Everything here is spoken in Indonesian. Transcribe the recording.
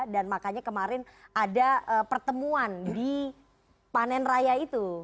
dan makanya kemarin ada pertemuan di panen raya itu